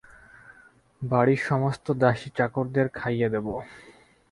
বাড়ির সমস্ত দাসী-চাকরদের খাইয়ে দেব।